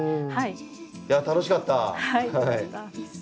いや楽しかった！